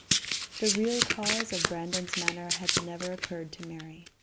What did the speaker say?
The real cause of Brandon's manner had never occurred to Mary.